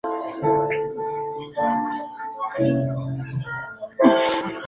Sorry, we don't mean to be rude.